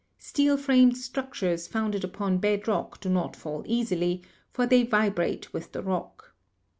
Steel framed structures founded upon bed rock do not fall easily, for they vibrate with the rock.